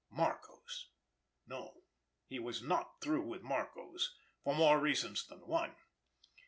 Marco's! No, he was not through with Marco's, for more reasons than one.